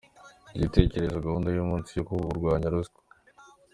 Igitekerezo Gahunda y’umunsi yo ku kurwanya ruswa